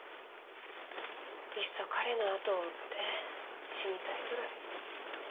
いっそ彼のあとを追って死にたいぐらい。